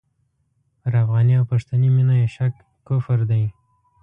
پر افغاني او پښتني مینه یې شک کفر دی.